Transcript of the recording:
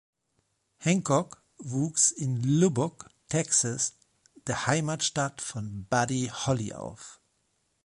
Hancock wuchs in Lubbock, Texas, der Heimatstadt von Buddy Holly, auf.